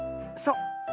そう。